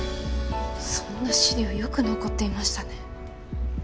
そんな資料よく残っていましたね？